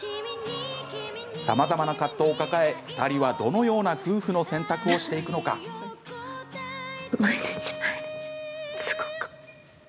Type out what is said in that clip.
さまざまな葛藤を抱え２人はどのような夫婦の選択をしていくのでしょうか。